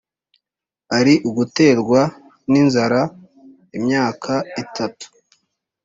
ari uguterwa n inzara imyaka itatu